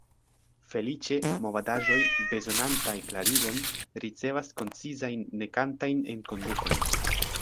Feliĉe, movadaĵoj, bezonantaj klarigon, ricevas koncizajn nekantajn enkondukojn.